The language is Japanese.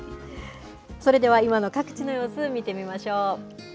それでは今の各地の様子、見てみましょう。